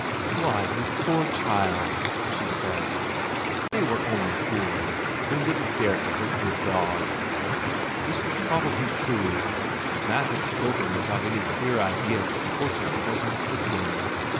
"Why, you poor child!" she said. "They were only fooling they wouldn't dare to hurt your dog!" This was probably true. Matt had spoken without any clear idea of the torture he was inflicting.